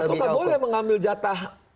bahwa sudah tak boleh mengambil jatah